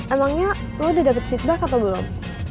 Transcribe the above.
emangnya lo udah dapet feedback atau belum